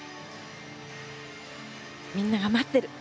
みんなが待ってる。